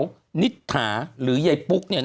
คุณหนุ่มกัญชัยได้เล่าใหญ่ใจความไปสักส่วนใหญ่แล้ว